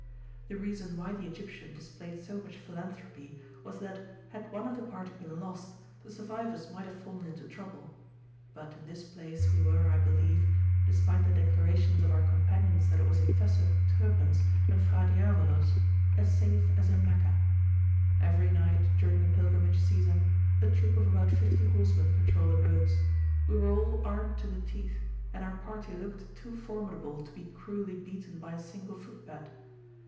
The reason why the Egyptian displayed so much philanthropy was that, had one of the party been lost, the survivors might have fallen into trouble. But in this place, we were, I believe, despite the declarations of our companions that it was infested with Turpins and Fra Diavolos, as safe as in Meccah. Every night, during the pilgrimage season, a troop of about fifty horsemen patrol the roads; we were all armed to the teeth, and our party looked too formidable to be cruelly beaten by a single footpad.